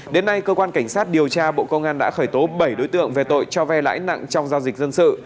đến nay cơ quan cảnh sát điều tra bộ công an đã khởi tố bảy đối tượng về tội cho vay lãi nặng trong giao dịch dân sự